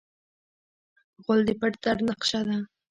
غول د پټ درد نقشه ده.